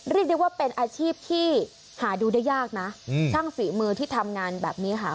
เรียกได้ว่าเป็นอาชีพที่หาดูได้ยากนะช่างฝีมือที่ทำงานแบบนี้ค่ะ